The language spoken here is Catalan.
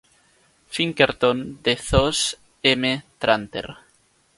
Pinkerton de Thos M. Tranter.